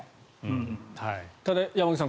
ただ、山口さん